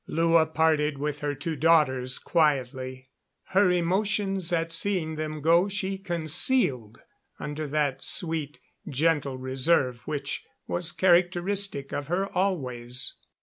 Lua parted with her two daughters quietly. Her emotions at seeing them go she concealed under that sweet, gentle reserve which was characteristic of her always.